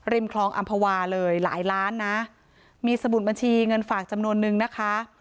คลองอำภาวาเลยหลายล้านนะมีสมุดบัญชีเงินฝากจำนวนนึงนะคะ